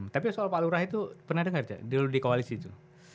tapi soal pak lurah itu pernah dengar di koalisi itu